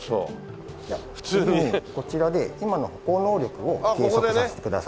じゃあこちらで今の歩行能力を計測させてください。